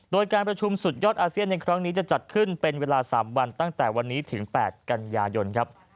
โดยการประชุมสุดยอดอาเซียนในครั้งนี้จะจัดขึ้นเป็นเวลา๓วันตั้งแต่วันนี้ถึง๘กันยายนครับ